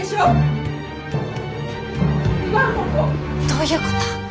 どういうこと？